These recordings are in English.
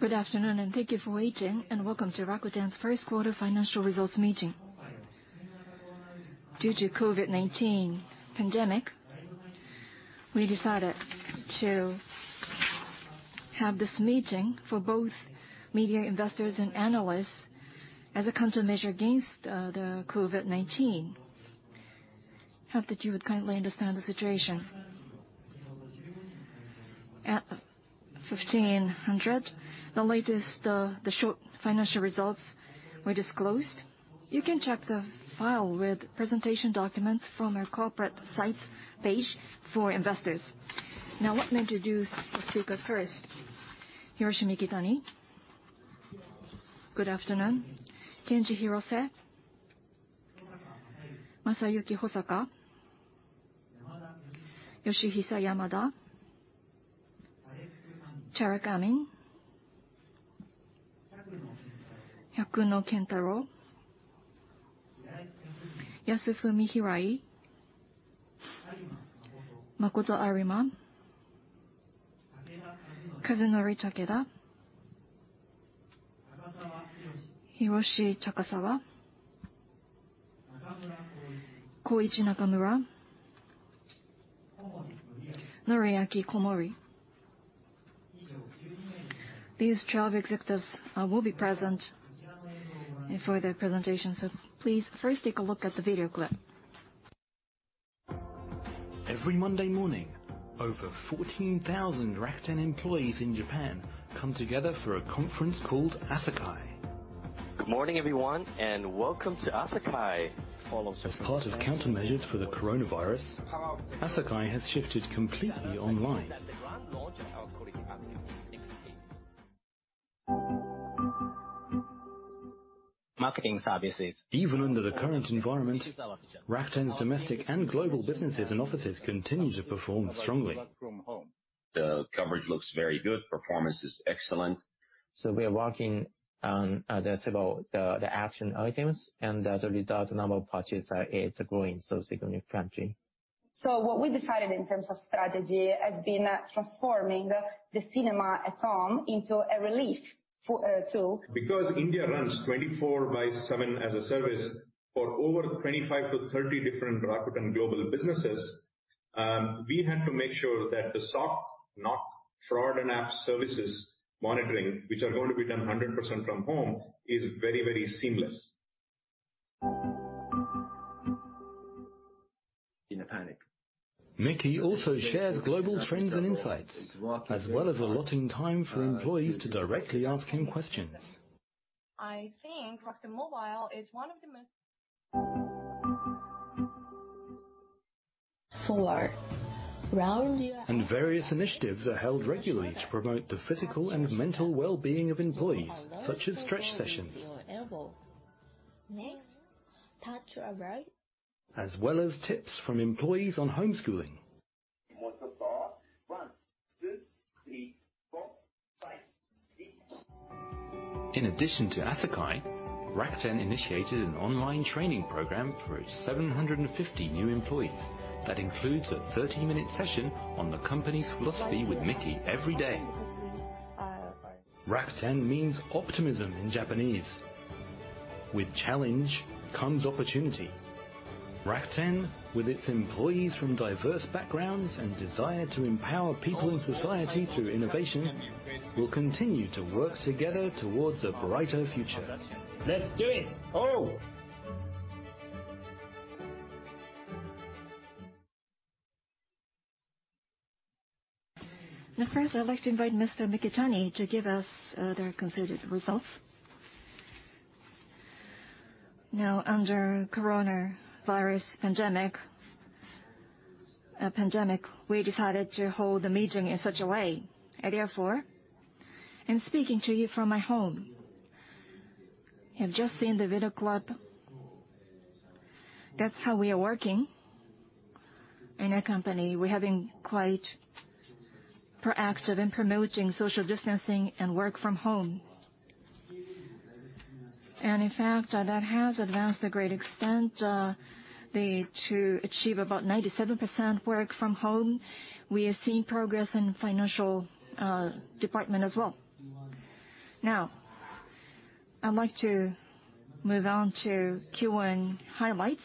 Good afternoon, and thank you for waiting, and welcome to Rakuten's first quarter financial results meeting. Due to the COVID-19 pandemic, we decided to have this meeting for both media investors and analysts as a countermeasure against the COVID-19. I hope that you would kindly understand the situation. At 15:00, the short financial results were disclosed. You can check the file with presentation documents from our corporate site page for investors. Now, what I'm going to do is speak up first. Hiroshi Mikitani. Yes. Good afternoon. Kenji Hirose. Masayuki Hosaka. Yoshihisa Yamada. Tareq Amin. Kentaro Hyakuno. Yasufumi Hirai. Makoto Arima. Kazunori Takeda. Hiroshi Takasawa Koichi Nakamura. Noriaki Komori. These 12 executives will be present for their presentations, so please first take a look at the video clip. Every Monday morning, over 14,000 Rakuten employees in Japan come together for a conference called Asakai. Good morning, everyone, and welcome to Asakai. As part of countermeasures for the coronavirus, Asakai has shifted completely online. Marketing services. Even under the current environment, Rakuten's domestic and global businesses and offices continue to perform strongly. The coverage looks very good. Performance is excellent. We are working on the action items, and the result number of purchases is growing so significantly. What we decided in terms of strategy has been transforming the cinema at home into a relief tool. Because India runs 24 by 7 as a service for over 25-30 different Rakuten global businesses, we had to make sure that the SOC/NOC, fraud and app services monitoring, which are going to be done 100% from home, is very, very seamless. In a panic. Miki also shared global trends and insights, as well as allotting time for employees to directly ask him questions. I think Rakuten Mobile is one of the most. Solar. Various initiatives are held regularly to promote the physical and mental well-being of employees, such as stretch sessions. Next, Takuya Kitagawa. As well as tips from employees on homeschooling. In addition to Asakai, Rakuten initiated an online training program for its 750 new employees that includes a 30-minute session on the company's philosophy with Miki every day. Rakuten means optimism in Japanese. With challenge comes opportunity. Rakuten, with its employees from diverse backgrounds and desire to empower people and society through innovation, will continue to work together towards a brighter future. Let's do it. Now, first, I'd like to invite Mr. Mikitani to give us their consolidated results. Now, under the coronavirus pandemic, we decided to hold the meeting in such a way. Therefore, I'm speaking to you from my home. You've just seen the video clip. That's how we are working in a company. We're having quite proactive in promoting social distancing and work from home. In fact, that has advanced to a great extent to achieve about 97% work from home. We have seen progress in the financial department as well. Now, I'd like to move on to Q1 highlights.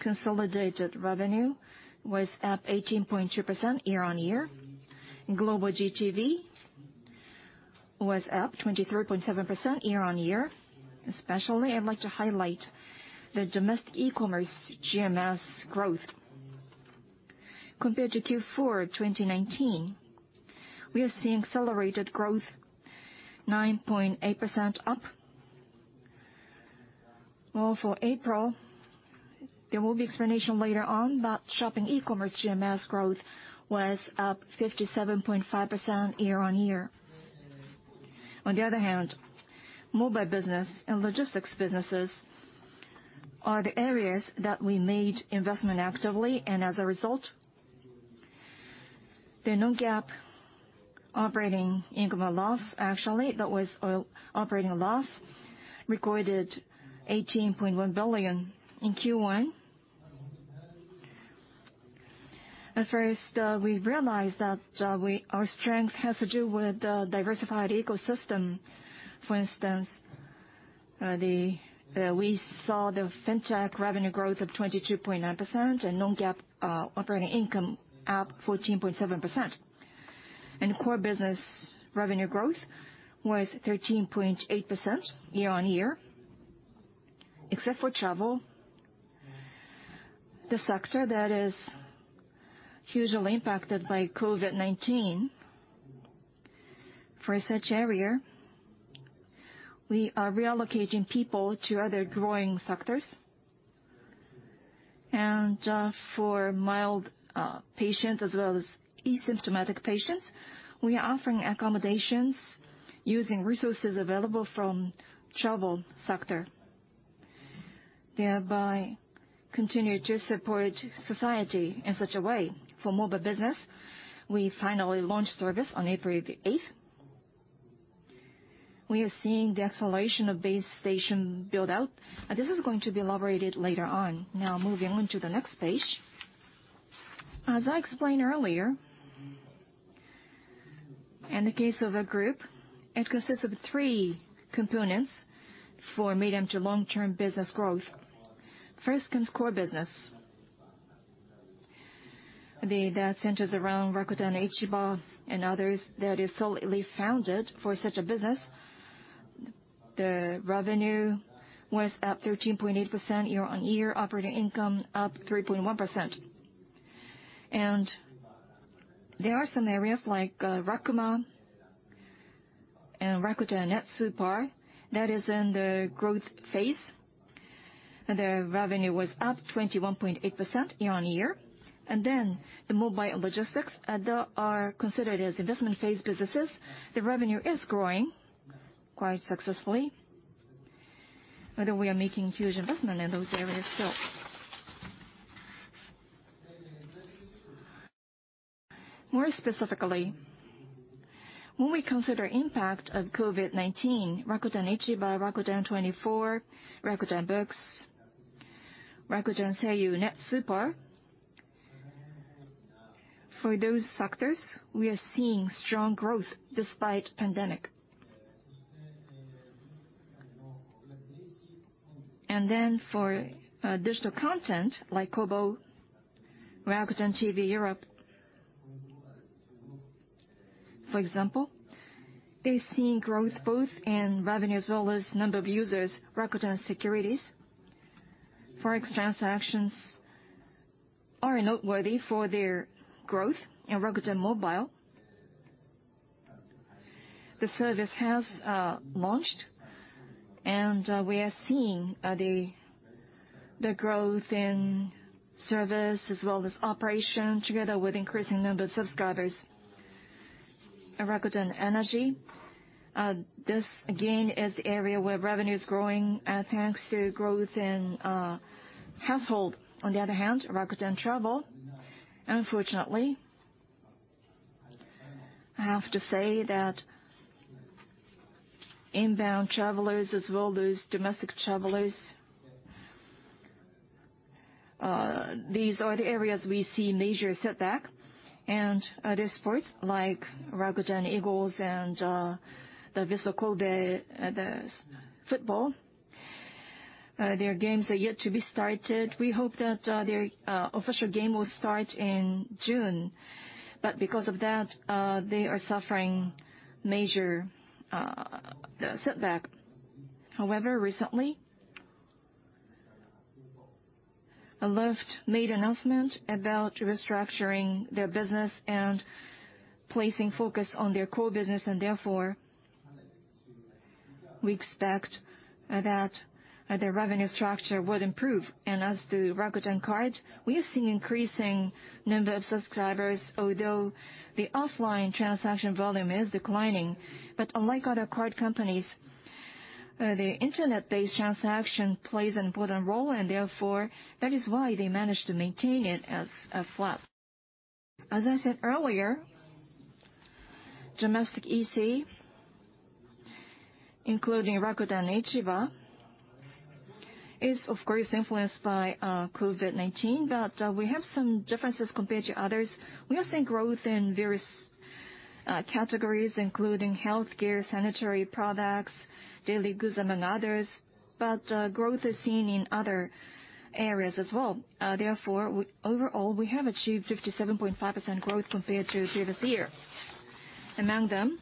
Consolidated revenue was up 18.2% year-on-year. Global GTV was up 23.7% year-on-year. Especially, I'd like to highlight the domestic e-commerce GMS growth. Compared to Q4 2019, we are seeing accelerated growth, 9.8% up. For April, there will be explanation later on, but shopping e-commerce GMS growth was up 57.5% year-on-year. On the other hand, mobile business and logistics businesses are the areas that we made investment actively, and as a result, the non-GAAP operating income or loss, actually, that was operating loss recorded JPY 18.1 billion in Q1. At first, we realized that our strength has to do with the diversified ecosystem. For instance, we saw the fintech revenue growth of 22.9% and non-GAAP operating income up 14.7%. Core business revenue growth was 13.8% year-on-year, except for travel. The sector that is hugely impacted by COVID-19, for such area, we are reallocating people to other growing sectors. For mild patients as well as asymptomatic patients, we are offering accommodations using resources available from the travel sector. Thereby, continue to support society in such a way. For mobile business, we finally launched service on April the 8th. We are seeing the acceleration of base station build-out. This is going to be elaborated later on. Now, moving on to the next page. As I explained earlier, in the case of the group, it consists of three components for medium to long-term business growth. First comes core business. That centers around Rakuten Ichiba and others that is solidly founded for such a business. The revenue was up 13.8% year-on-year, operating income up 3.1%. There are some areas like Rakuma and Rakuten Netsuper that is in the growth phase. The revenue was up 21.8% year-on-year. The mobile logistics that are considered as investment-phase businesses, the revenue is growing quite successfully. Although we are making huge investment in those areas still. More specifically, when we consider the impact of COVID-19, Rakuten Ichiba, Rakuten 24, Rakuten Books, Rakuten Seiyu Netsuper, for those sectors, we are seeing strong growth despite the pandemic. For digital content like Kobo, Rakuten TV Europe, for example, they're seeing growth both in revenue as well as the number of users, Rakuten Securities. Forex transactions are noteworthy for their growth in Rakuten Mobile. The service has launched, and we are seeing the growth in service as well as operation together with an increasing number of subscribers. Rakuten Energy, this again is the area where revenue is growing thanks to growth in household. On the other hand, Rakuten Travel, unfortunately, I have to say that inbound travelers as well as domestic travelers, these are the areas we see major setback. Other sports like Rakuten Eagles and the Vissel Kobe football, their games are yet to be started. We hope that their official game will start in June. Because of that, they are suffering major setback. However, recently, Lyft made an announcement about restructuring their business and placing focus on their core business. Therefore, we expect that their revenue structure would improve. As to Rakuten Card, we are seeing an increasing number of subscribers, although the offline transaction volume is declining. Unlike other card companies, the internet-based transaction plays an important role, and therefore, that is why they managed to maintain it as a flat. As I said earlier, domestic EC, including Rakuten Ichiba, is, of course, influenced by COVID-19, but we have some differences compared to others. We are seeing growth in various categories, including healthcare, sanitary products, daily goods, among others. Growth is seen in other areas as well. Therefore, overall, we have achieved 57.5% growth compared to previous year. Among them,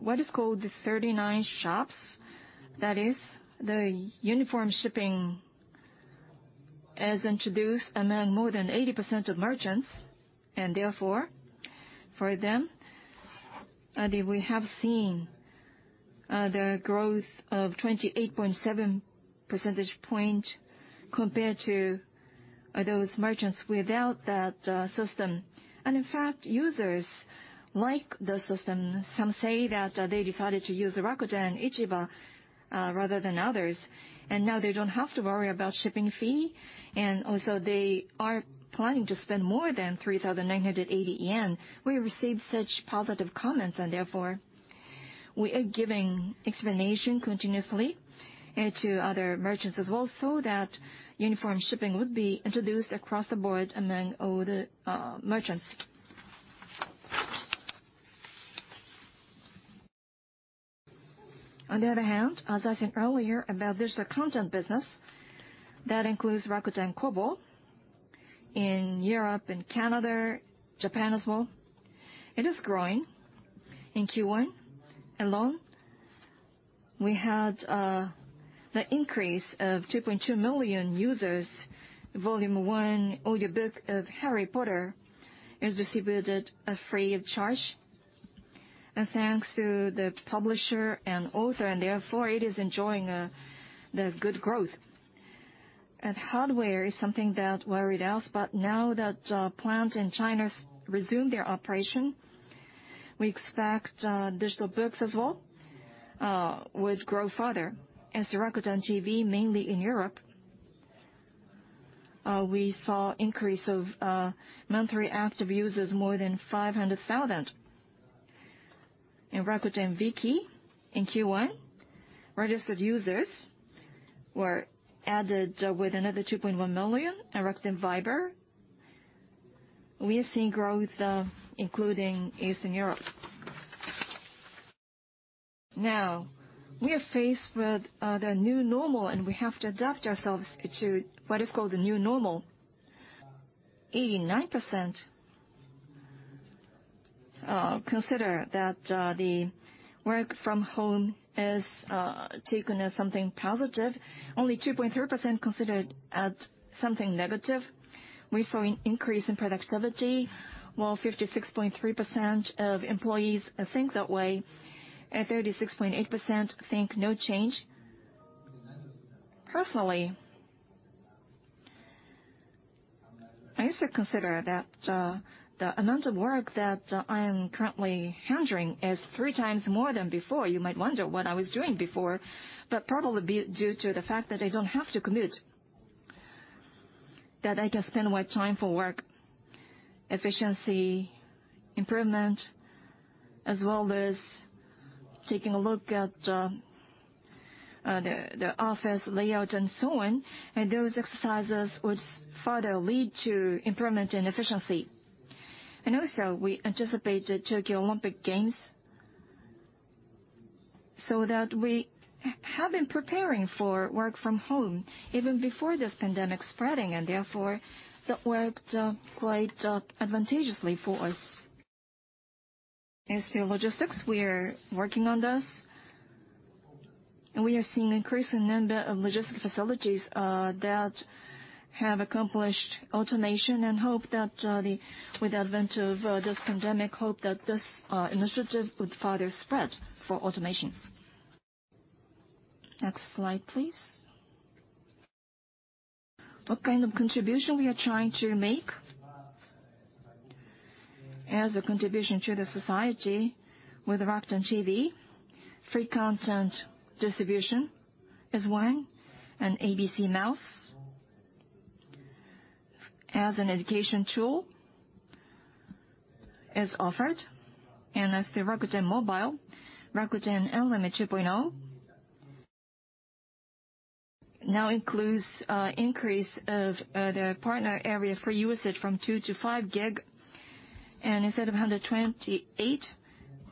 what is called the 39 shops, that is, the uniform shipping is introduced among more than 80% of merchants. Therefore, for them, we have seen the growth of 28.7 percentage points compared to those merchants without that system. In fact, users like the system, some say that they decided to use Rakuten Ichiba rather than others. Now they do not have to worry about shipping fee. Also, they are planning to spend more than 3,980 yen. We received such positive comments, and therefore, we are giving explanation continuously to other merchants as well so that uniform shipping would be introduced across the board among all the merchants. On the other hand, as I said earlier about digital content business, that includes Rakuten Kobo in Europe and Canada, Japan as well. It is growing in Q1 alone. We had the increase of 2.2 million users. Volume 1, audiobook of Harry Potter, is distributed free of charge. Thanks to the publisher and author, it is enjoying the good growth. Hardware is something that worried us, but now that plants in China resumed their operation, we expect digital books as well would grow further. As to Rakuten TV, mainly in Europe, we saw an increase of monthly active users of more than 500,000. In Rakuten Viki, in Q1, registered users were added with another 2.1 million. Rakuten Viber, we are seeing growth, including Eastern Europe. Now, we are faced with the new normal, and we have to adapt ourselves to what is called the new normal. 89% consider that the work from home is taken as something positive. Only 2.3% consider it as something negative. We saw an increase in productivity. three percent of employees think that way, and 36.8% think no change. Personally, I also consider that the amount of work that I am currently handling is three times more than before. You might wonder what I was doing before, but probably due to the fact that I do not have to commute, that I can spend more time for work efficiency improvement, as well as taking a look at the office layout and so on. Those exercises would further lead to improvement in efficiency. Also, we anticipate the Tokyo Olympic Games, so that we have been preparing for work from home even before this pandemic spreading, and therefore, that worked quite advantageously for us. As to logistics, we are working on this. We are seeing an increase in the number of logistic facilities that have accomplished automation and hope that with the advent of this pandemic, this initiative will further spread for automation. Next slide, please. What kind of contribution are we trying to make as a contribution to society with Rakuten TV? Free content distribution is one, and ABCmouse as an education tool is offered. As to Rakuten Mobile, Rakuten UN-LIMIT 2.0 now includes an increase of the partner area for usage from 2 to 5 GB and instead of 128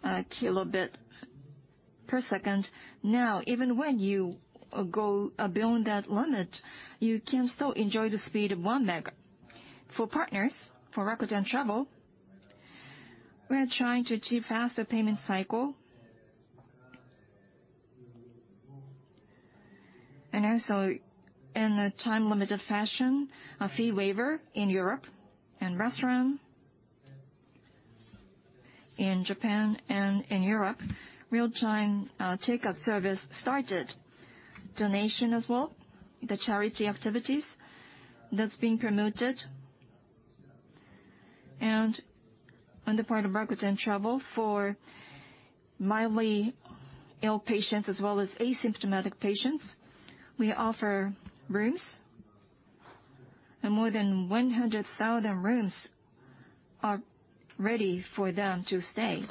kilobits per second, now even when you go beyond that limit, you can still enjoy the speed of 1 megabit. For partners, for Rakuten Travel, we are trying to achieve a faster payment cycle. Also, in a time-limited fashion, a fee waiver in Europe and restaurant in Japan and in Europe. Real-time takeout service started, donation as well, the charity activities that's being promoted. On the part of Rakuten Travel for mildly ill patients as well as asymptomatic patients, we offer rooms, and more than 100,000 rooms are ready for them to stay.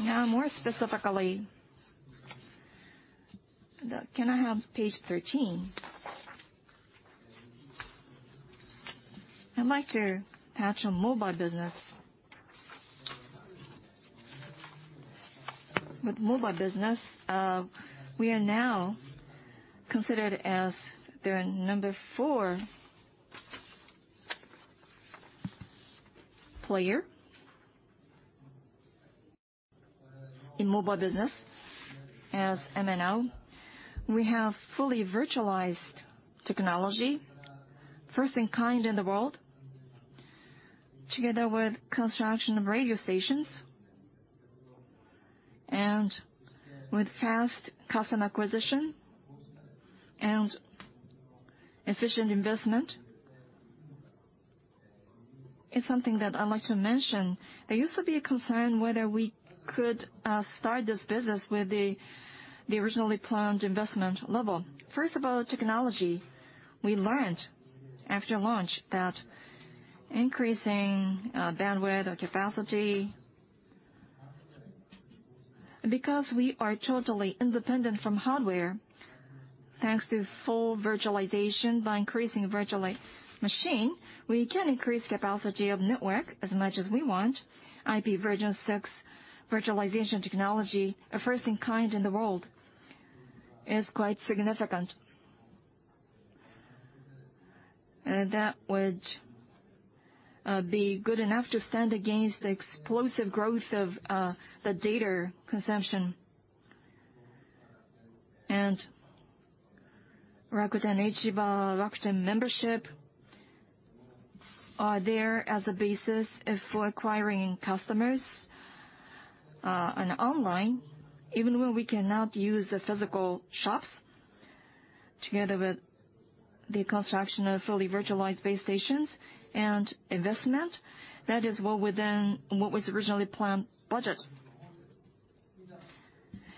Now, more specifically, can I have page 13? I'd like to touch on mobile business. With mobile business, we are now considered as the number four player in mobile business as MNO. We have fully virtualized technology, first in kind in the world, together with construction of radio stations. With fast customer acquisition and efficient investment, it's something that I'd like to mention. There used to be a concern whether we could start this business with the originally planned investment level. First of all, technology, we learned after launch that increasing bandwidth or capacity, because we are totally independent from hardware, thanks to full virtualization, by increasing virtual machine, we can increase capacity of network as much as we want. IP version 6 virtualization technology, a first in kind in the world, is quite significant. That would be good enough to stand against the explosive growth of the data consumption. Rakuten Ichiba, Rakuten membership are there as a basis for acquiring customers online, even when we cannot use the physical shops, together with the construction of fully virtualized base stations and investment. That is what was originally planned budget.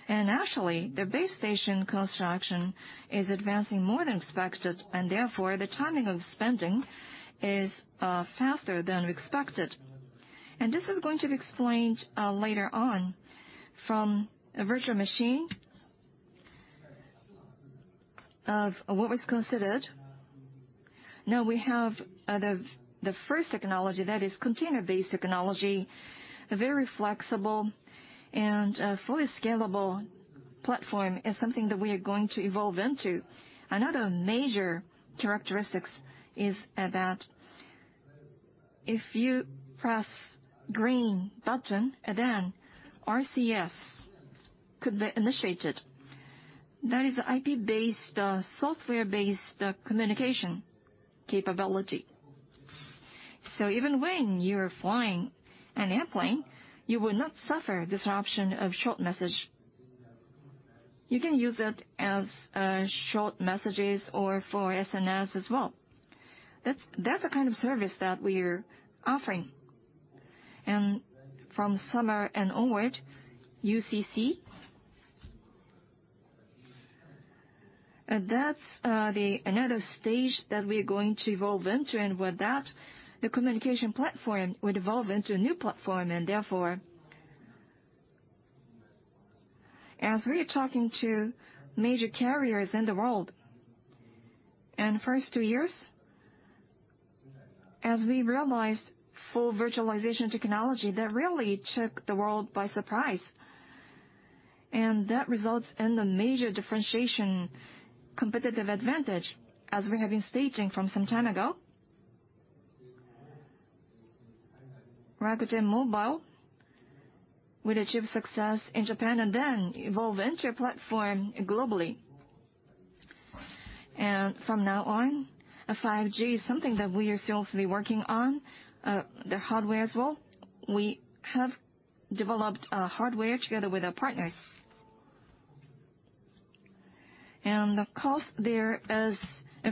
Actually, the base station construction is advancing more than expected, and therefore, the timing of spending is faster than we expected. This is going to be explained later on from a virtual machine of what was considered. Now, we have the first technology that is container-based technology, a very flexible and fully scalable platform is something that we are going to evolve into. Another major characteristic is that if you press the green button, then RCS could be initiated. That is an IP-based, software-based communication capability. Even when you are flying an airplane, you will not suffer disruption of short message. You can use it as short messages or for SNS as well. That is the kind of service that we are offering. From summer and onward, UCC, that is the another stage that we are going to evolve into. With that, the communication platform would evolve into a new platform. Therefore, as we are talking to major carriers in the world, in the first two years, as we realized full virtualization technology, that really took the world by surprise. That results in a major differentiation competitive advantage, as we have been stating from some time ago. Rakuten Mobile would achieve success in Japan and then evolve into a platform globally. From now on, 5G is something that we are seriously working on, the hardware as well. We have developed hardware together with our partners. The cost there is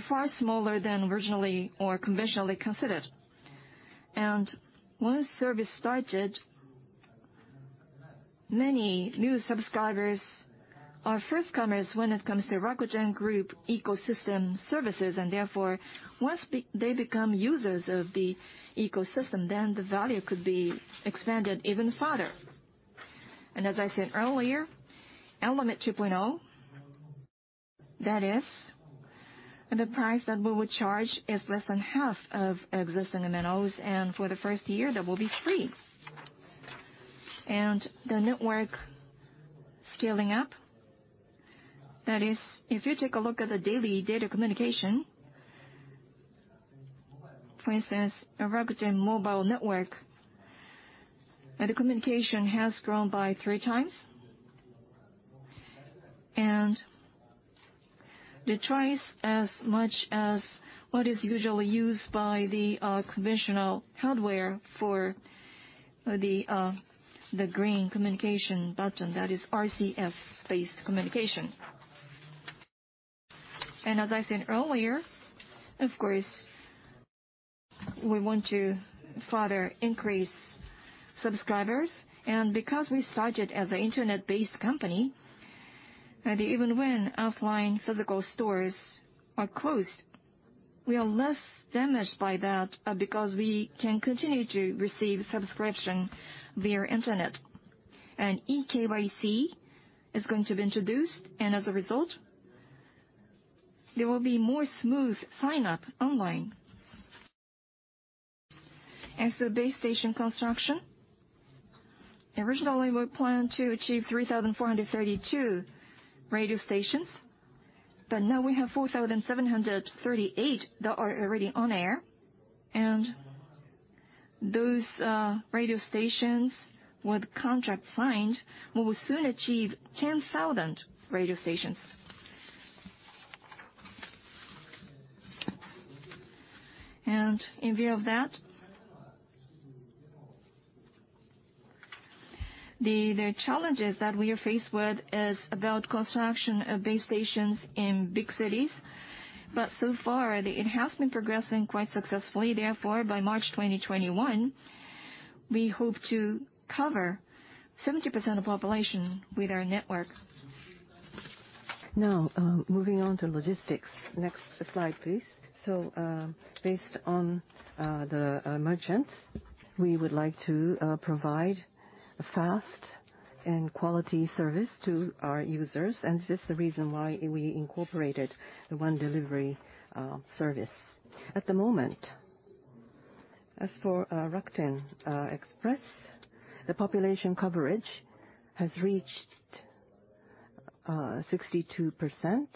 far smaller than originally or conventionally considered. Once service started, many new subscribers are first comers when it comes to Rakuten Group ecosystem services. Therefore, once they become users of the ecosystem, the value could be expanded even further. As I said earlier, Rakuten UN-LIMIT 2.0, that is, the price that we would charge is less than half of existing MNOs, and for the first year, that will be free. The network scaling up, that is, if you take a look at the daily data communication, for instance, a Rakuten Mobile network, the communication has grown by three times. The choice as much as what is usually used by the conventional hardware for the green communication button, that is, RCS-based communication. As I said earlier, of course, we want to further increase subscribers. Because we started as an internet-based company, even when offline physical stores are closed, we are less damaged by that because we can continue to receive subscription via internet. eKYC is going to be introduced, and as a result, there will be more smooth sign-up online. As to base station construction, originally, we planned to achieve 3,432 radio stations, but now we have 4,738 that are already on air. Those radio stations with contracts signed will soon achieve 10,000 radio stations. In view of that, the challenges that we are faced with is about construction of base stations in big cities. However, it has been progressing quite successfully. Therefore, by March 2021, we hope to cover 70% of the population with our network. Now, moving on to logistics. Next slide, please. Based on the merchant, we would like to provide a fast and quality service to our users. This is the reason why we incorporated the one-delivery service. At the moment, as for Rakuten EXPRESS, the population coverage has reached 62%.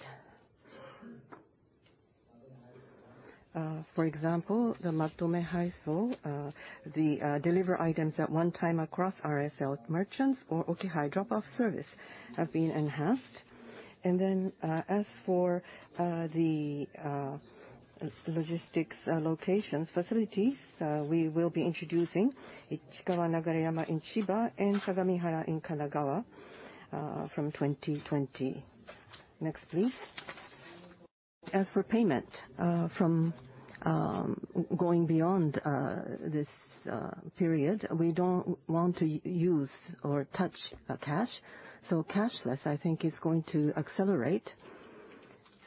For example, the Matome Haiso, the delivery items at one time across RSL merchants or Oki-hai drop-off service have been enhanced. As for the logistics locations, facilities, we will be introducing Ichikawa, Nagareyama in Chiba and Sagamihara in Kanagawa from 2020. Next, please. As for payment, going beyond this period, we don't want to use or touch cash. Cashless, I think, is going to accelerate.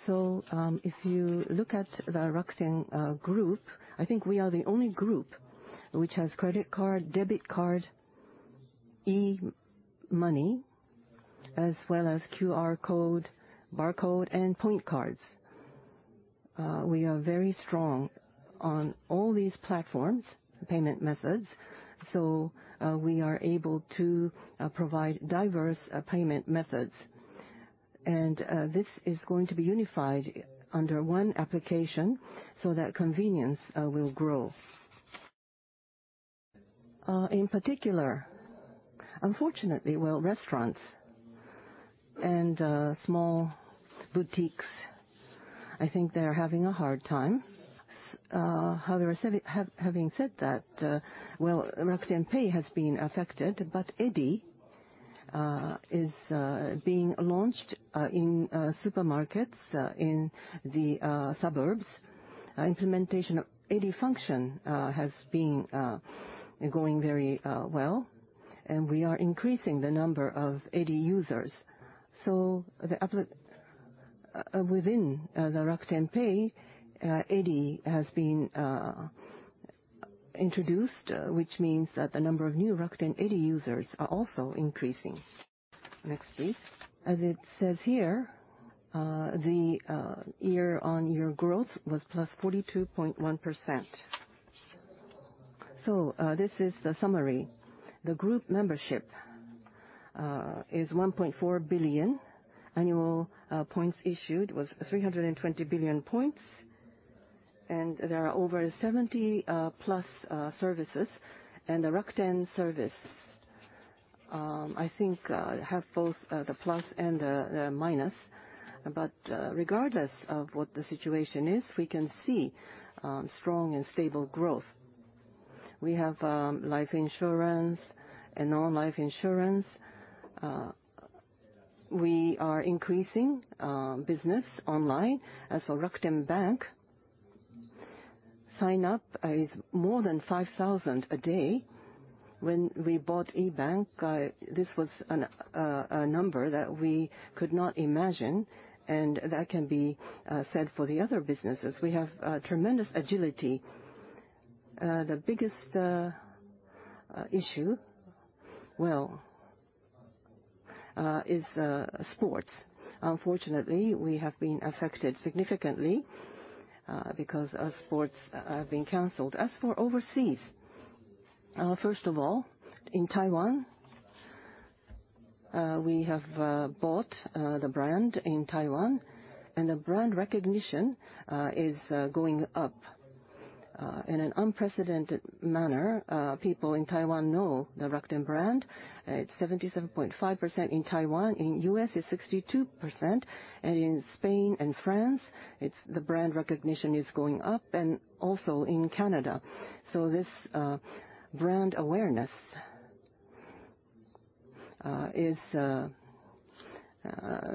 If you look at the Rakuten Group, I think we are the only group which has credit card, debit card, e-money, as well as QR code, barcode, and point cards. We are very strong on all these platforms, payment methods. We are able to provide diverse payment methods. This is going to be unified under one application so that convenience will grow. In particular, unfortunately, restaurants and small boutiques, I think they are having a hard time. However, having said that, Rakuten Pay has been affected, but Rakuten Edy is being launched in supermarkets in the suburbs. Implementation of Rakuten Edy function has been going very well. We are increasing the number of Rakuten Edy users. Within the Rakuten Pay, Rakuten Edy has been introduced, which means that the number of new Rakuten Edy users are also increasing. Next, please. As it says here, the year-on-year growth was +42.1%. This is the summary. The group membership is 1.4 billion. Annual points issued was 320 billion points. There are over 70 plus services. The Rakuten service, I think, have both the plus and the minus. Regardless of what the situation is, we can see strong and stable growth. We have life insurance and non-life insurance. We are increasing business online. As for Rakuten Bank, sign-up is more than 5,000 a day. When we bought e-bank, this was a number that we could not imagine. That can be said for the other businesses. We have tremendous agility. The biggest issue, well, is sports. Unfortunately, we have been affected significantly because sports have been canceled. As for overseas, first of all, in Taiwan, we have bought the brand in Taiwan. The brand recognition is going up in an unprecedented manner. People in Taiwan know the Rakuten brand. It's 77.5% in Taiwan. In the U.S., it's 62%. In Spain and France, the brand recognition is going up. Also in Canada. This brand awareness is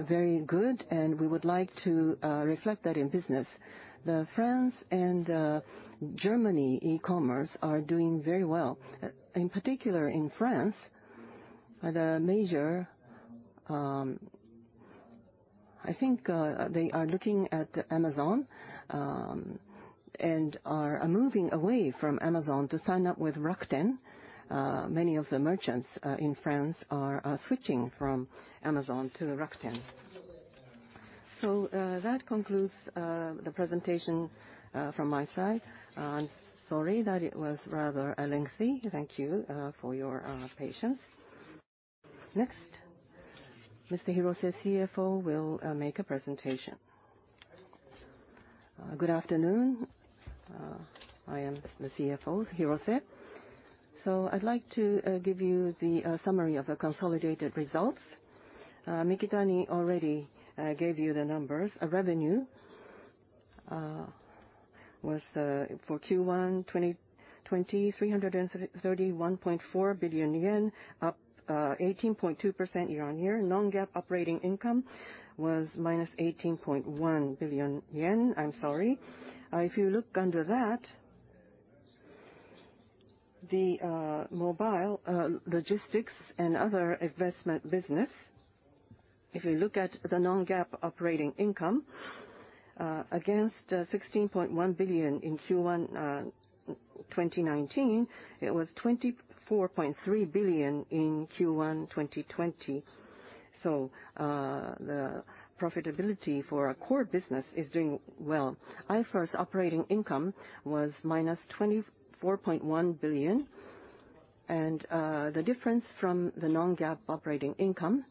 very good. We would like to reflect that in business. The France and Germany e-commerce are doing very well. In particular, in France, the major, I think they are looking at Amazon and are moving away from Amazon to sign up with Rakuten. Many of the merchants in France are switching from Amazon to Rakuten. That concludes the presentation from my side. I'm sorry that it was rather lengthy. Thank you for your patience. Next, Mr. Hirose, CFO will make a presentation. Good afternoon. I am the CFO, Hirose. I'd like to give you the summary of the consolidated results. Mikitani already gave you the numbers. Revenue was for Q1 2020, 331.4 billion yen, up 18.2% year-on-year. Non-GAAP operating income was minus 18.1 billion yen. I'm sorry. If you look under that, the mobile logistics and other investment business, if you look at the non-GAAP operating income against 16.1 billion in Q1 2019, it was 24.3 billion in Q1 2020. The profitability for a core business is doing well. IFRS operating income was minus 24.1 billion. The difference from the non-GAAP operating income,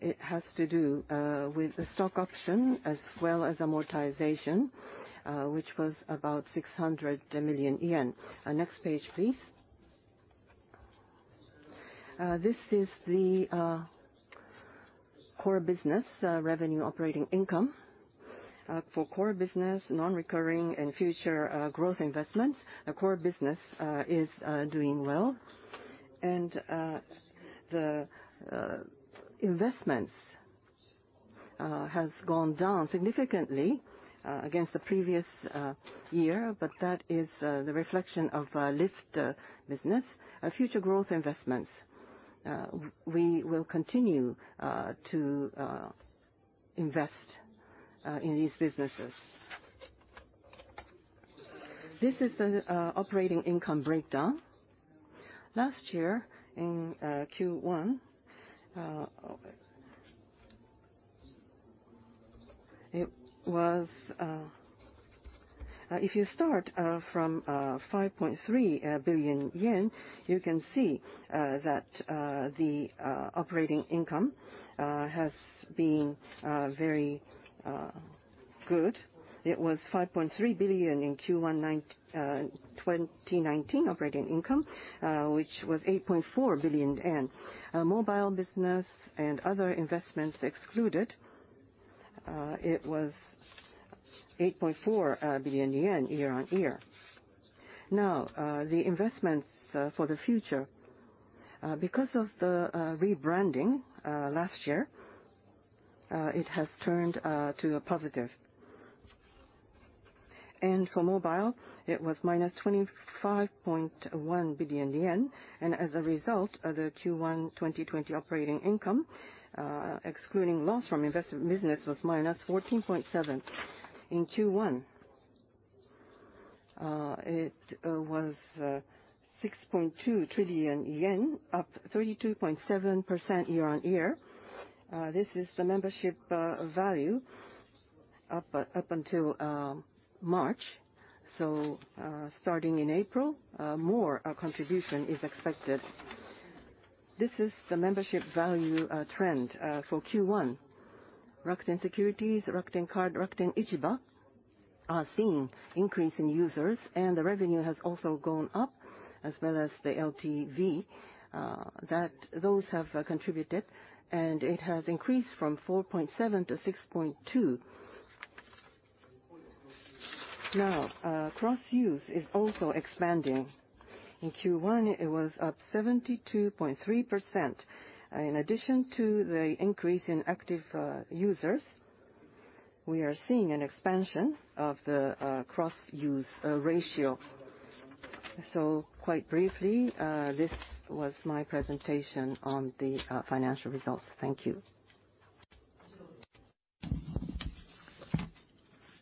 it has to do with the stock option as well as amortization, which was about 600 million yen. Next page, please. This is the core business revenue operating income. For core business, non-recurring, and future growth investments, the core business is doing well. The investments have gone down significantly against the previous year, but that is the reflection of lift business. Future growth investments, we will continue to invest in these businesses. This is the operating income breakdown. Last year, in Q1, it was if you start from 5.3 billion yen, you can see that the operating income has been very good. It was 5.3 billion in Q1 2019 operating income, which was 8.4 billion. Mobile business and other investments excluded, it was 8.4 billion yen year-on-year. Now, the investments for the future, because of the rebranding last year, it has turned to a positive. For mobile, it was minus 25.1 billion yen. As a result, the Q1 2020 operating income, excluding loss from investment business, was minus 14.7 billion. In Q1, it was 6.2 trillion yen, up 32.7% year-on-year. This is the membership value up until March. Starting in April, more contribution is expected. This is the membership value trend for Q1. Rakuten Securities, Rakuten Card, Rakuten Ichiba are seeing increase in users. The revenue has also gone up, as well as the LTV. Those have contributed. It has increased from 4.7 trillion to 6.2 trillion. Now, cross-use is also expanding. In Q1, it was up 72.3%. In addition to the increase in active users, we are seeing an expansion of the cross-use ratio. Quite briefly, this was my presentation on the financial results. Thank you.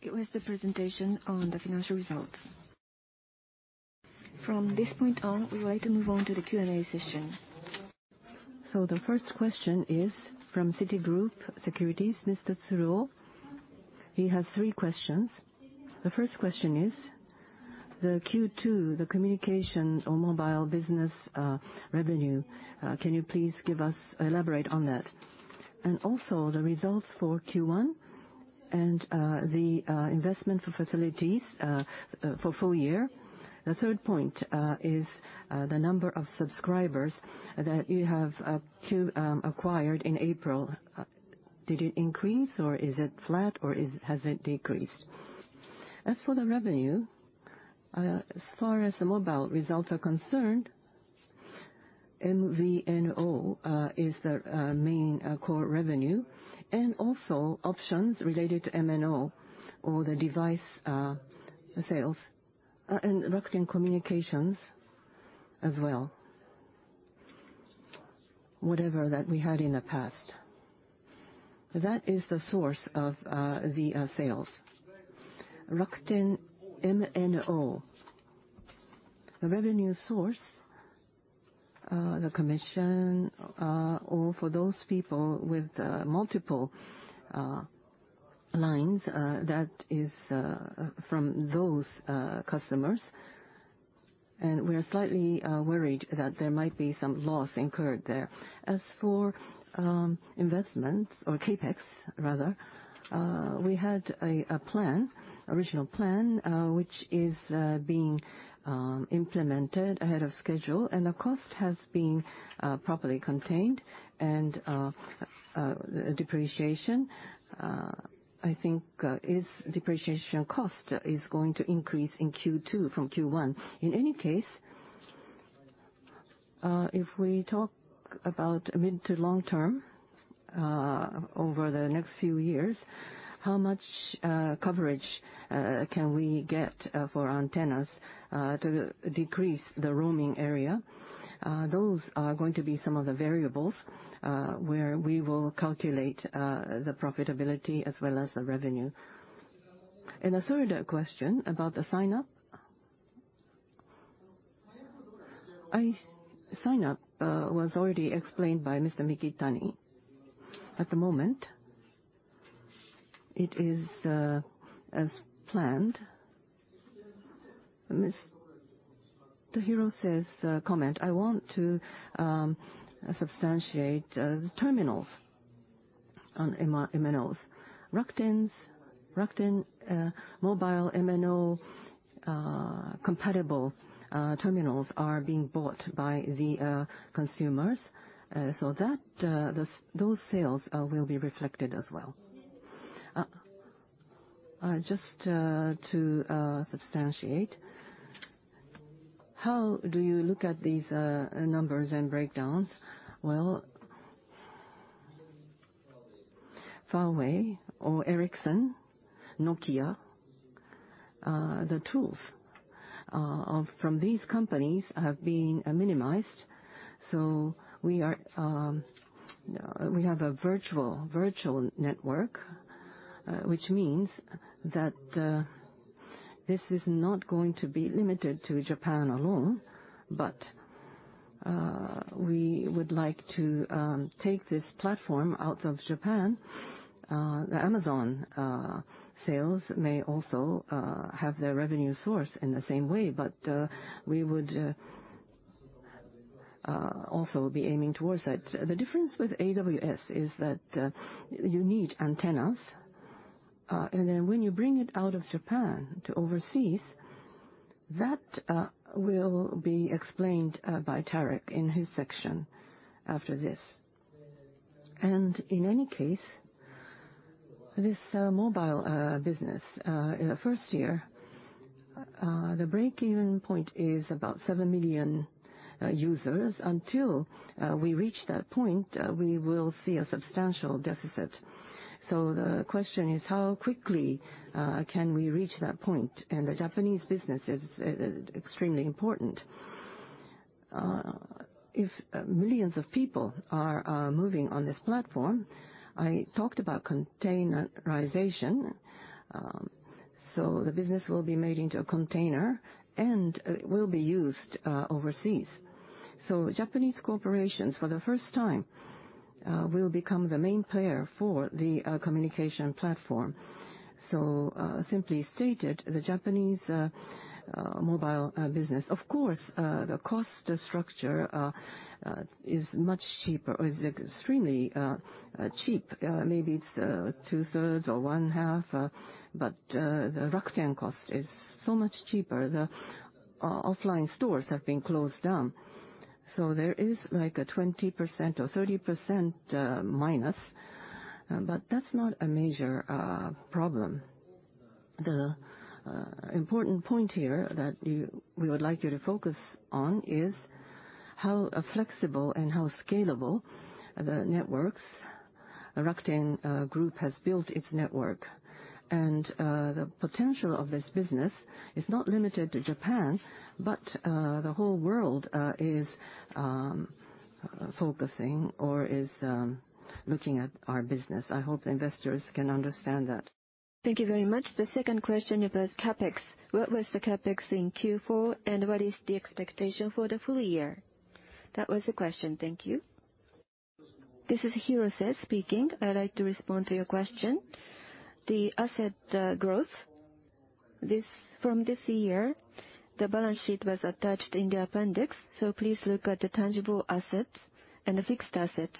It was the presentation on the financial results. From this point on, we would like to move on to the Q&A session. The first question is from Citigroup, Mr. Tsuru. He has three questions. The first question is the Q2, the communication or mobile business revenue. Can you please elaborate on that? Also, the results for Q1 and the investment for facilities for full year. The third point is the number of subscribers that you have acquired in April. Did it increase, or is it flat, or has it decreased? As for the revenue, as far as the mobile results are concerned, MVNO is the main core revenue. Also, options related to MNO or the device sales. Rakuten Communications as well, whatever that we had in the past. That is the source of the sales. Rakuten MNO, the revenue source, the commission, or for those people with multiple lines, that is from those customers. We are slightly worried that there might be some loss incurred there. As for investments or CAPEX, rather, we had an original plan, which is being implemented ahead of schedule. The cost has been properly contained. Depreciation, I think, is depreciation cost is going to increase in Q2 from Q1. In any case, if we talk about mid to long term over the next few years, how much coverage can we get for antennas to decrease the roaming area? Those are going to be some of the variables where we will calculate the profitability as well as the revenue. The third question about the sign-up. Sign-up was already explained by Mr. Mikitani. At the moment, it is as planned. Mr. Hirose's comment, I want to substantiate the terminals on MNOs. Rakuten Mobile MNO compatible terminals are being bought by the consumers. Those sales will be reflected as well. Just to substantiate, how do you look at these numbers and breakdowns? Huawei or Ericsson, Nokia, the tools from these companies have been minimized. We have a virtual network, which means that this is not going to be limited to Japan alone. We would like to take this platform out of Japan. The Amazon sales may also have their revenue source in the same way. We would also be aiming towards that. The difference with AWS is that you need antennas. When you bring it out of Japan to overseas, that will be explained by Tareq in his section after this. In any case, this mobile business, first year, the break-even point is about 7 million users. Until we reach that point, we will see a substantial deficit. The question is, how quickly can we reach that point? The Japanese business is extremely important. If millions of people are moving on this platform, I talked about containerization. The business will be made into a container and will be used overseas. Japanese corporations, for the first time, will become the main player for the communication platform. Simply stated, the Japanese mobile business, of course, the cost structure is much cheaper or is extremely cheap. Maybe it is two-thirds or one-half. The Rakuten cost is so much cheaper. The offline stores have been closed down. There is like a 20% or 30% minus. That is not a major problem. The important point here that we would like you to focus on is how flexible and how scalable the networks Rakuten Group has built its network. The potential of this business is not limited to Japan, but the whole world is focusing or is looking at our business. I hope the investors can understand that. Thank you very much. The second question was CapEx. What was the CapEx in Q4? And what is the expectation for the full year? That was the question. Thank you. This is Hirose speaking. I'd like to respond to your question. The asset growth, from this year, the balance sheet was attached in the appendix. Please look at the tangible assets and the fixed assets.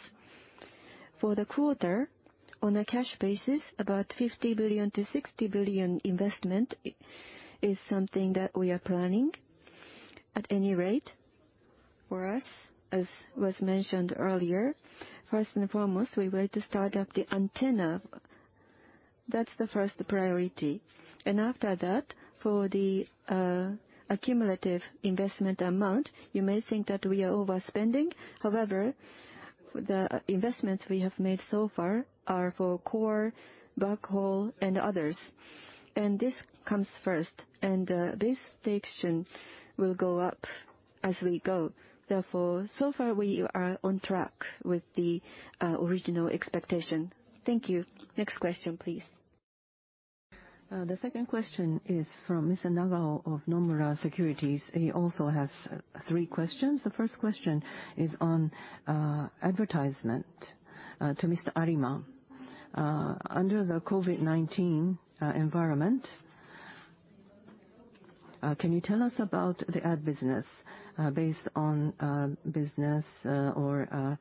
For the quarter, on a cash basis, about 50 billion-60 billion investment is something that we are planning at any rate for us, as was mentioned earlier. First and foremost, we would like to start up the antenna. That's the first priority. After that, for the accumulative investment amount, you may think that we are overspending. However, the investments we have made so far are for core, backhaul, and others. This comes first. This station will go up as we go. Therefore, so far, we are on track with the original expectation. Thank you. Next question, please. The second question is from Mr. Nakagawa of Nomura Securities. He also has three questions. The first question is on advertisement to Mr. Arima. Under the COVID-19 environment, can you tell us about the ad business based on business or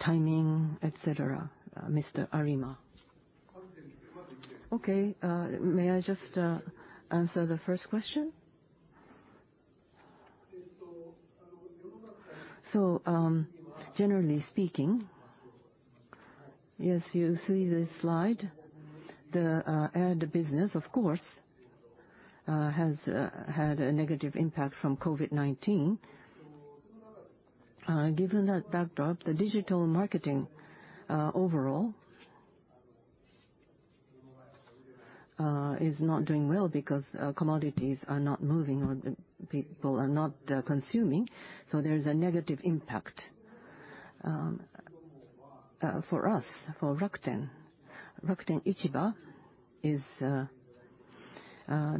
timing, etc., Mr. Arima? Okay. May I just answer the first question? Generally speaking, yes, you see this slide. The ad business, of course, has had a negative impact from COVID-19. Given that backdrop, the digital marketing overall is not doing well because commodities are not moving or people are not consuming. There is a negative impact for us, for Rakuten. Rakuten Ichiba is the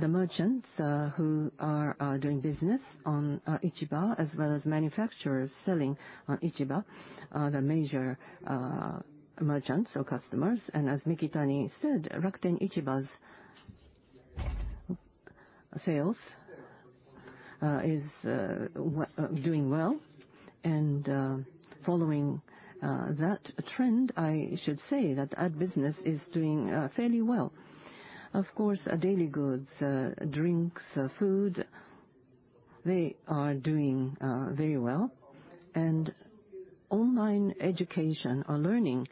merchants who are doing business on Ichiba, as well as manufacturers selling on Ichiba, the major merchants or customers. As Mikitani said, Rakuten Ichiba's sales is doing well. Following that trend, I should say that ad business is doing fairly well. Of course, daily goods, drinks, food, they are doing very well. Online education or learning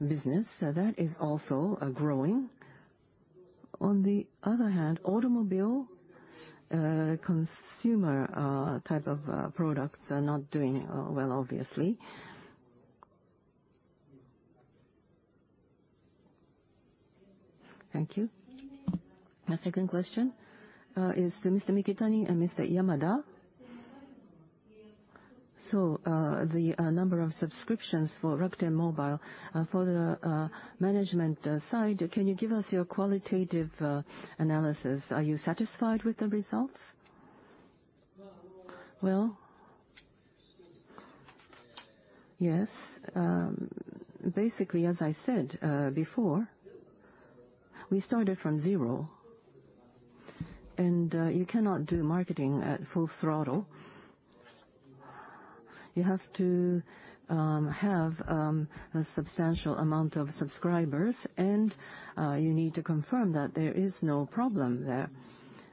business, that is also growing. On the other hand, automobile consumer type of products are not doing well, obviously. Thank you. My second question is to Mr. Mikitani and Mr. Yamada. The number of subscriptions for Rakuten Mobile for the management side, can you give us your qualitative analysis? Are you satisfied with the results? Basically, as I said before, we started from zero. You cannot do marketing at full throttle. You have to have a substantial amount of subscribers. You need to confirm that there is no problem there.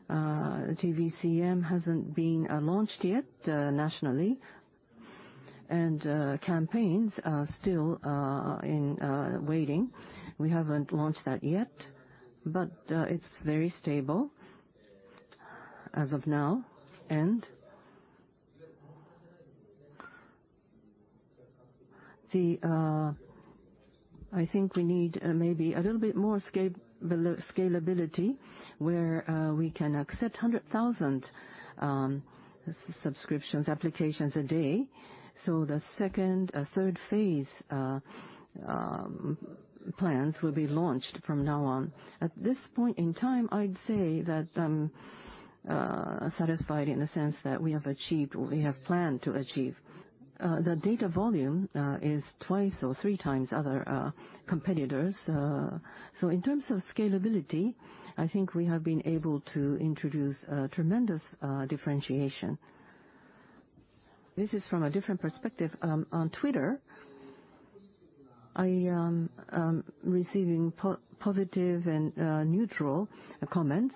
TVCM has not been launched yet nationally. Campaigns are still in waiting. We have not launched that yet. It is very stable as of now. I think we need maybe a little bit more scalability where we can accept 100,000 subscriptions, applications a day. The second, third phase plans will be launched from now on. At this point in time, I would say that I am satisfied in the sense that we have achieved what we have planned to achieve. The data volume is twice or three times other competitors. In terms of scalability, I think we have been able to introduce tremendous differentiation. This is from a different perspective. On Twitter, I am receiving positive and neutral comments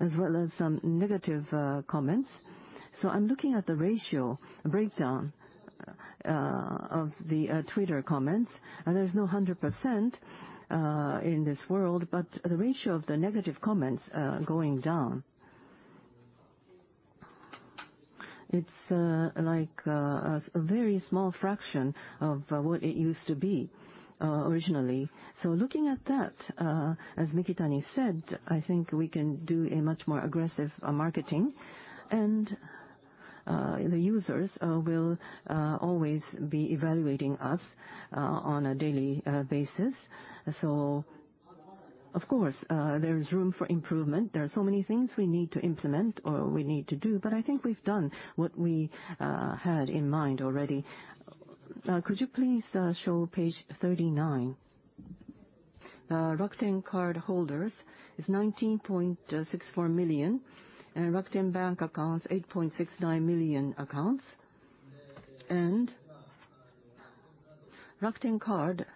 as well as some negative comments. I am looking at the ratio breakdown of the Twitter comments. There is no 100% in this world, but the ratio of the negative comments is going down. It is like a very small fraction of what it used to be originally. Looking at that, as Mikitani said, I think we can do a much more aggressive marketing. The users will always be evaluating us on a daily basis. Of course, there is room for improvement. There are so many things we need to implement or we need to do. I think we have done what we had in mind already. Could you please show page 39? Rakuten Card holders is 19.64 million. Rakuten Bank accounts, 8.69 million accounts. Rakuten Card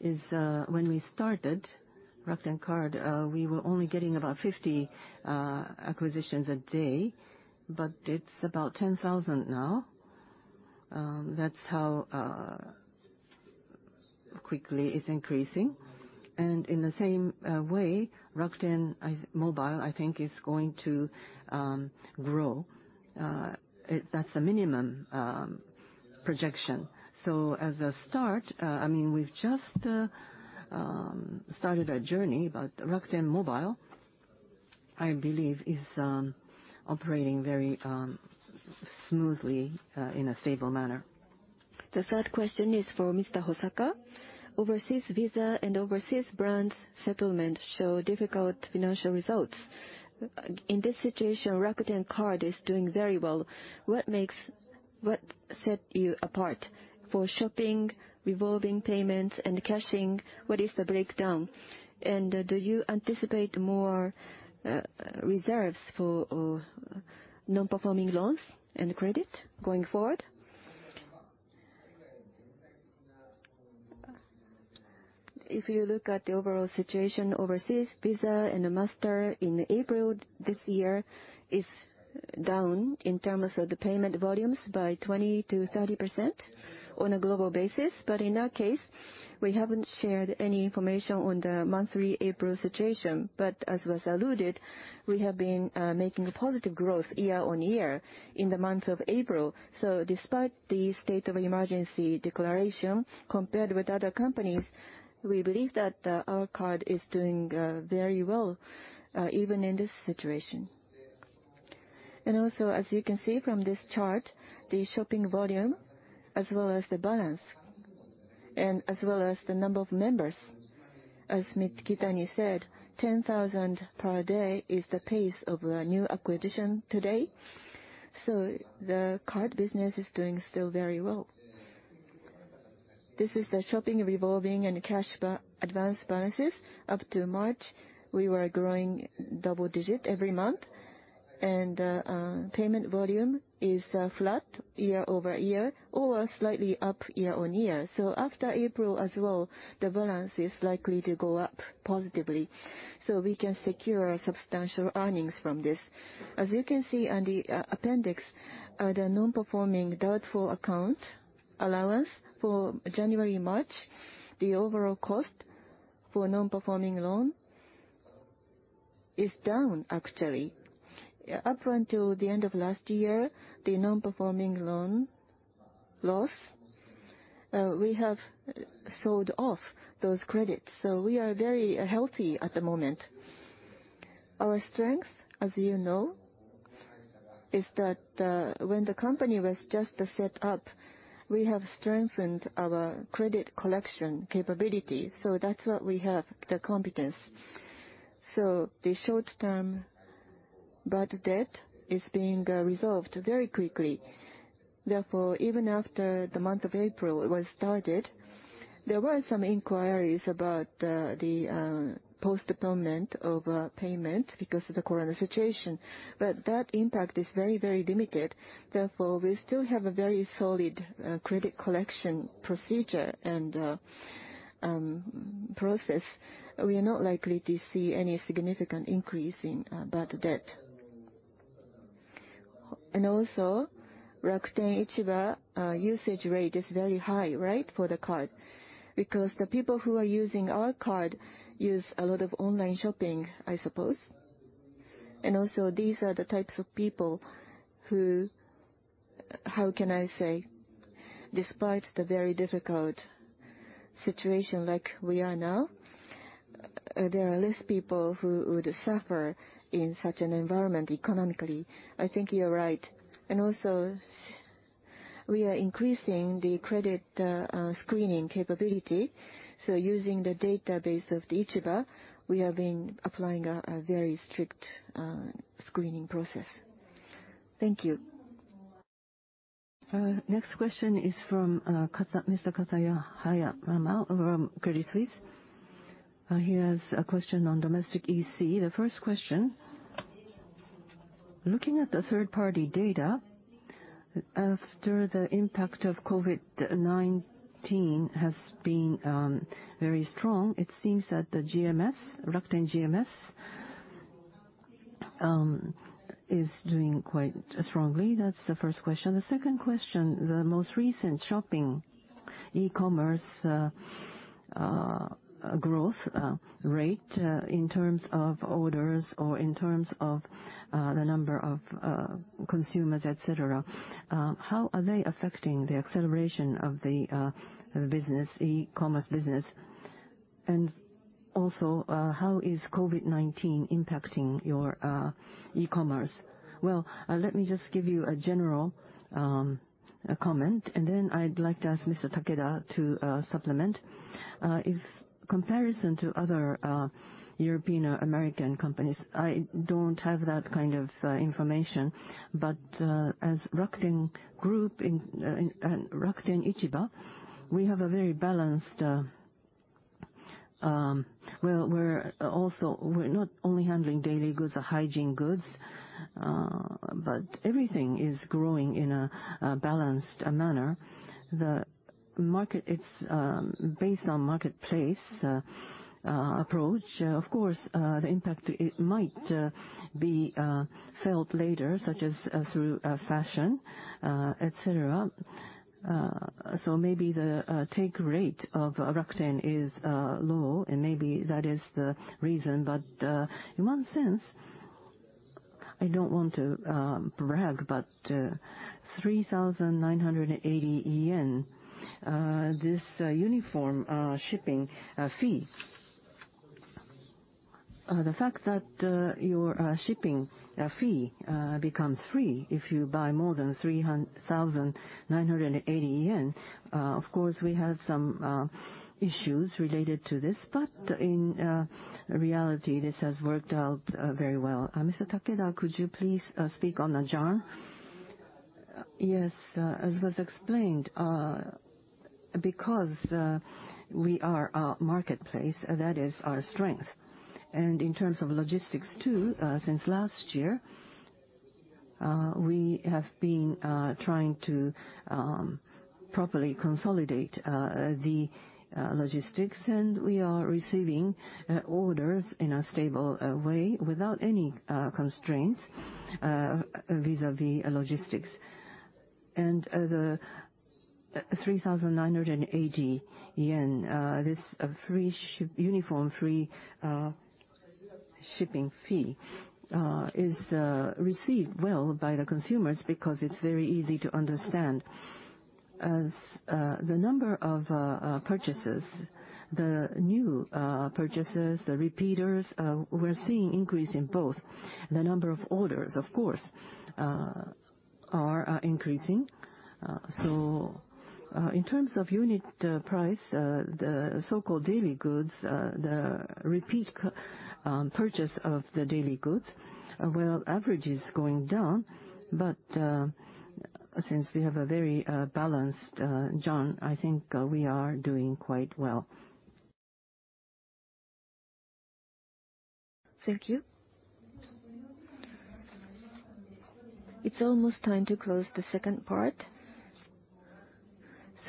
is when we started, Rakuten Card, we were only getting about 50 acquisitions a day. It is about 10,000 now. That is how quickly it is increasing. In the same way, Rakuten Mobile, I think, is going to grow. That is the minimum projection. As a start, I mean, we have just started a journey. Rakuten Mobile, I believe, is operating very smoothly in a stable manner. The third question is for Mr. Hosaka. Overseas Visa and overseas brands settlement show difficult financial results. In this situation, Rakuten Card is doing very well. What set you apart? For shopping, revolving payments, and cashing, what is the breakdown? Do you anticipate more reserves for non-performing loans and credit going forward? If you look at the overall situation overseas, Visa and Master in April this year is down in terms of the payment volumes by 20-30% on a global basis. In that case, we haven't shared any information on the monthly April situation. As was alluded, we have been making a positive growth year on year in the month of April. Despite the state of emergency declaration compared with other companies, we believe that our card is doing very well even in this situation. Also, as you can see from this chart, the shopping volume as well as the balance and as well as the number of members, as Mikitani said, 10,000 per day is the pace of a new acquisition today. The card business is doing still very well. This is the shopping, revolving, and cash advance balances up to March. We were growing double digit every month. Payment volume is flat year over year or slightly up year on year. After April as well, the balance is likely to go up positively. We can secure substantial earnings from this. As you can see on the appendix, the non-performing doubtful account allowance for January-March, the overall cost for non-performing loan is down, actually. Up until the end of last year, the non-performing loan loss, we have sold off those credits. We are very healthy at the moment. Our strength, as you know, is that when the company was just set up, we have strengthened our credit collection capability. That is what we have, the competence. The short-term bad debt is being resolved very quickly. Therefore, even after the month of April was started, there were some inquiries about the postponement of payments because of the corona situation. That impact is very, very limited. Therefore, we still have a very solid credit collection procedure and process. We are not likely to see any significant increase in bad debt. Also, Rakuten Ichiba usage rate is very high, right, for the card? The people who are using our card use a lot of online shopping, I suppose. These are the types of people who, how can I say, despite the very difficult situation like we are now, there are less people who would suffer in such an environment economically. I think you're right. Also, we are increasing the credit screening capability. Using the database of the Ichiba, we have been applying a very strict screening process. Thank you. Next question is from Mr. Katayama from Credit Suisse. He has a question on domestic EC. The first question, looking at the third-party data, after the impact of COVID-19 has been very strong, it seems that the GMS, Rakuten GMS, is doing quite strongly. That is the first question. The second question, the most recent shopping e-commerce growth rate in terms of orders or in terms of the number of consumers, etc., how are they affecting the acceleration of the business, e-commerce business? Also, how is COVID-19 impacting your e-commerce? Let me just give you a general comment. I would like to ask Mr. Takeda to supplement. In comparison to other European or American companies, I do not have that kind of information. As Rakuten Group and Rakuten Ichiba, we have a very balanced, well, we're also not only handling daily goods or hygiene goods, but everything is growing in a balanced manner. The market, it's based on marketplace approach. Of course, the impact might be felt later, such as through fashion, etc. Maybe the take rate of Rakuten is low, and maybe that is the reason. In one sense, I don't want to brag, but 3,980 yen, this uniform shipping fee, the fact that your shipping fee becomes free if you buy more than 3,980 yen, of course, we had some issues related to this. In reality, this has worked out very well. Mr. Takeda, could you please speak on the genre? Yes. As was explained, because we are a marketplace, that is our strength. In terms of logistics too, since last year, we have been trying to properly consolidate the logistics. We are receiving orders in a stable way without any constraints vis-à-vis logistics. The 3,980 yen, this uniform free shipping fee is received well by the consumers because it is very easy to understand. As the number of purchases, the new purchases, the repeaters, we are seeing increase in both. The number of orders, of course, are increasing. In terms of unit price, the so-called daily goods, the repeat purchase of the daily goods, average is going down. Since we have a very balanced genre, I think we are doing quite well. Thank you. It is almost time to close the second part.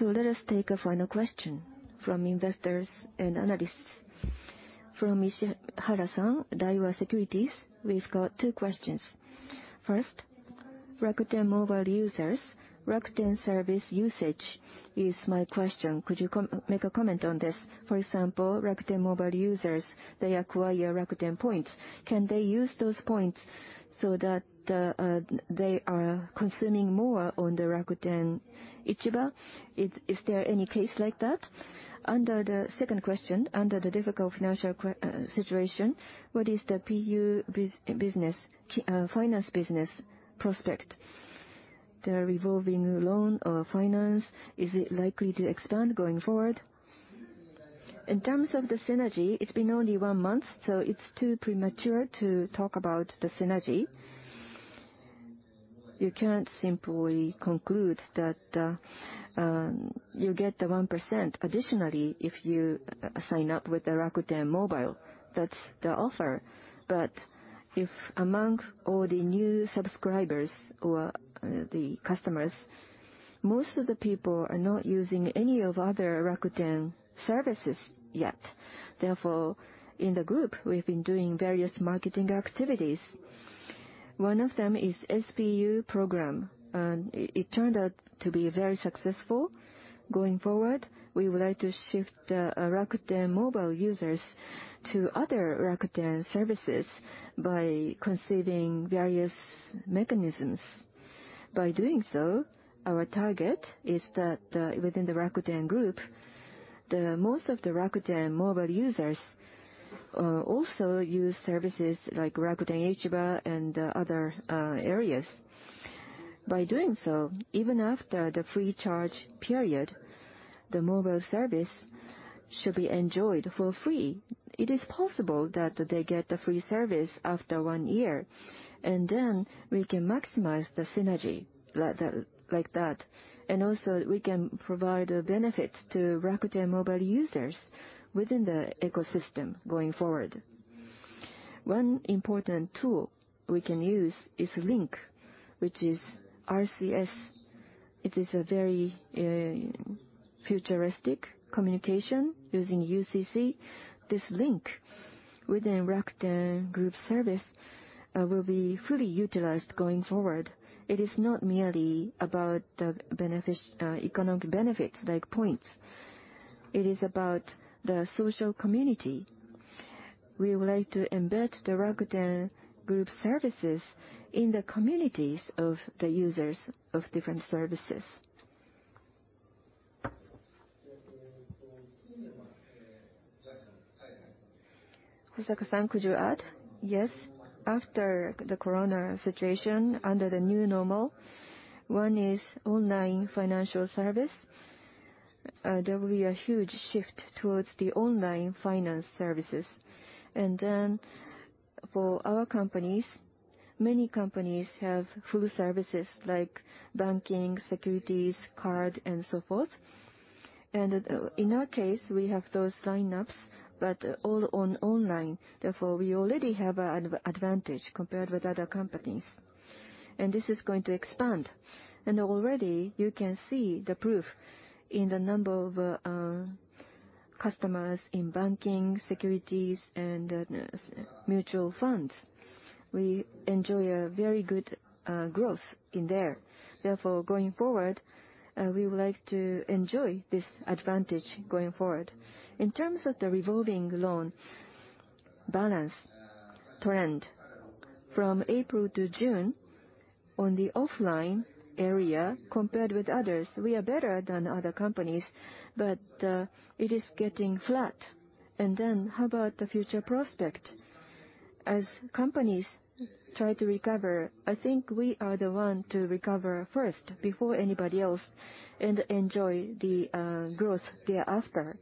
Let us take a final question from investors and analysts. From Mr. Hara, Daiwa Securities, we have got two questions. First, Rakuten Mobile users, Rakuten service usage is my question. Could you make a comment on this? For example, Rakuten Mobile users, they acquire Rakuten points. Can they use those points so that they are consuming more on the Rakuten Ichiba? Is there any case like that? Under the second question, under the difficult financial situation, what is the PU business, finance business prospect? The revolving loan or finance, is it likely to expand going forward? In terms of the synergy, it's been only one month, so it's too premature to talk about the synergy. You can't simply conclude that you get the 1% additionally if you sign up with the Rakuten Mobile. That's the offer. If among all the new subscribers or the customers, most of the people are not using any of other Rakuten services yet. Therefore, in the group, we've been doing various marketing activities. One of them is SPU program. It turned out to be very successful. Going forward, we would like to shift Rakuten Mobile users to other Rakuten services by conceiving various mechanisms. By doing so, our target is that within the Rakuten Group, most of the Rakuten Mobile users also use services like Rakuten Ichiba and other areas. By doing so, even after the free charge period, the mobile service should be enjoyed for free. It is possible that they get the free service after one year. We can maximize the synergy like that. Also, we can provide a benefit to Rakuten Mobile users within the ecosystem going forward. One important tool we can use is Link, which is RCS. It is a very futuristic communication using UCC. This Link within Rakuten Group service will be fully utilized going forward. It is not merely about the economic benefits like points. It is about the social community. We would like to embed the Rakuten Group services in the communities of the users of different services. Hosaka-san, could you add? Yes. After the corona situation, under the new normal, one is online financial service. There will be a huge shift towards the online finance services. For our companies, many companies have full services like banking, securities, card, and so forth. In our case, we have those lineups, but all online. Therefore, we already have an advantage compared with other companies. This is going to expand. Already, you can see the proof in the number of customers in banking, securities, and mutual funds. We enjoy a very good growth in there. Therefore, going forward, we would like to enjoy this advantage going forward. In terms of the revolving loan balance trend, from April to June, on the offline area compared with others, we are better than other companies, but it is getting flat. How about the future prospect? As companies try to recover, I think we are the one to recover first before anybody else and enjoy the growth thereafter.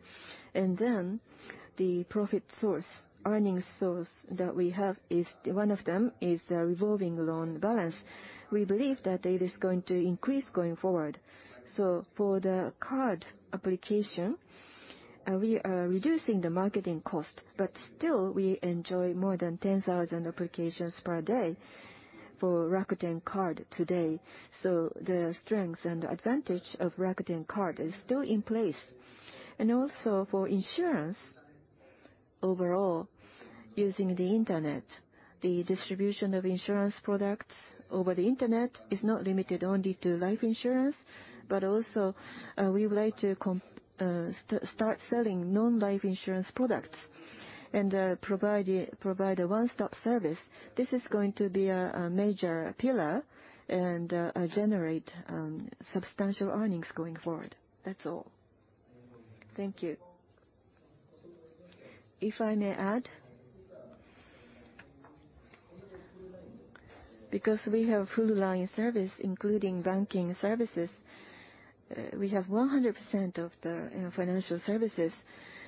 The profit source, earnings source that we have is one of them is the revolving loan balance. We believe that it is going to increase going forward. For the card application, we are reducing the marketing cost, but still, we enjoy more than 10,000 applications per day for Rakuten Card today. The strength and advantage of Rakuten Card is still in place. Also for insurance overall, using the internet, the distribution of insurance products over the internet is not limited only to life insurance, but also we would like to start selling non-life insurance products and provide a one-stop service. This is going to be a major pillar and generate substantial earnings going forward. That's all. Thank you. If I may add, because we have full-line service, including banking services, we have 100% of the financial services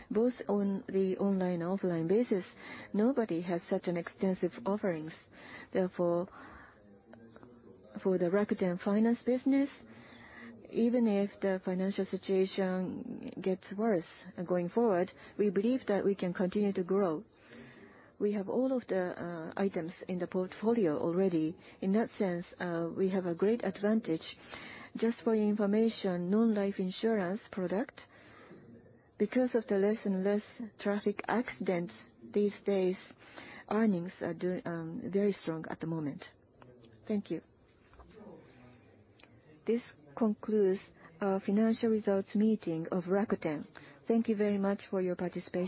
both on the online and offline basis. Nobody has such extensive offerings. Therefore, for the Rakuten finance business, even if the financial situation gets worse going forward, we believe that we can continue to grow. We have all of the items in the portfolio already. In that sense, we have a great advantage. Just for your information, non-life insurance product, because of the less and less traffic accidents these days, earnings are very strong at the moment. Thank you. This concludes our financial results meeting of Rakuten. Thank you very much for your participation.